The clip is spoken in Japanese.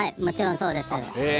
もちろんそうです。